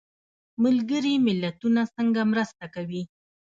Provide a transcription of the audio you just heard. ملګري ملتونه څنګه مرسته کوي؟